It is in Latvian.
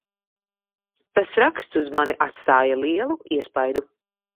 Tas raksts uz mani atstāja lielu iespaidu.